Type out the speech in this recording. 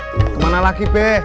kemana lagi be